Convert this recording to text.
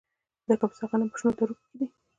د کاپیسا غنم په شنو درو کې دي.